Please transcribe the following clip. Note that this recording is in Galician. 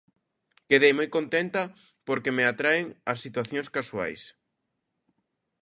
Quedei moi contenta porque me atraen as situacións casuais.